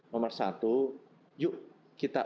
nomor satu yuk kita